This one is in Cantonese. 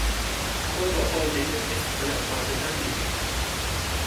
過左個幾星期，佢又再去間店行